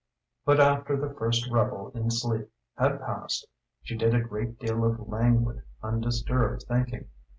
But after the first revel in sleep had passed she did a great deal of languid, undisturbed thinking.